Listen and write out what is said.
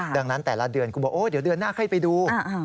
ดังนั้นแต่ละเดือนคุณบอกโอ้เดี๋ยวเดือนหน้าค่อยไปดู